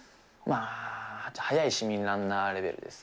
速い市民ランナーレベルですね。